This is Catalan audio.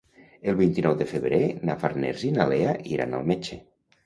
El vint-i-nou de febrer na Farners i na Lea iran al metge.